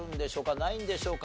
ないんでしょうか？